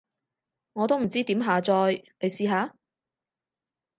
我都唔知點下載，你試下？